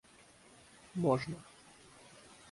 можно